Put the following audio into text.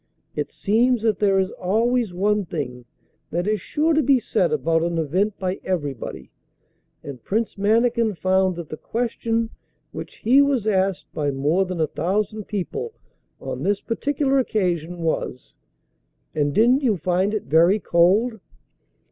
It seems that there is always one thing that is sure to be said about an event by everybody, and Prince Mannikin found that the question which he was asked by more than a thousand people on this particular occasion was: 'And didn't you find it very cold?